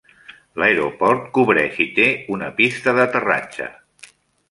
L'aeroport cobreix i té una pista d'aterratge.